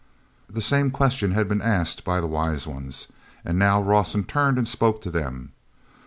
The same question had been asked by the Wise Ones, and now Rawson turned and spoke to them.